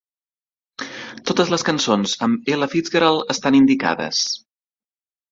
Totes les cançons amb Ella Fitzgerald estan indicades.